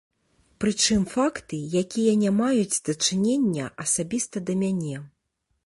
Прычым факты, якія не маюць дачынення асабіста да мяне.